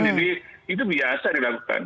jadi itu biasa dilakukan